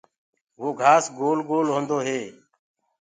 وو گھآس گول گول هوندو هي۔